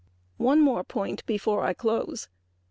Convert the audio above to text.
One more point before I close.